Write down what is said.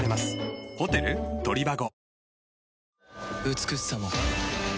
美しさも